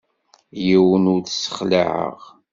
Yiwen ur t-ssexlaɛeɣ.